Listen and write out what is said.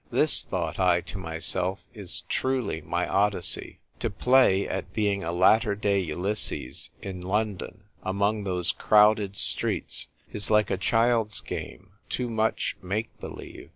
"This," thought I to myself, "is truly my Odyssey. To play at being a latter day Ulysses in London, among those crowded streets, is like a child's game — too much make believe.